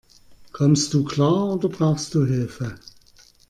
Kommst du klar, oder brauchst du Hilfe?